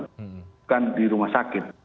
bukan di rumah sakit